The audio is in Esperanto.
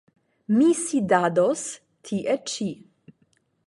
Mi sidados tie ĉi.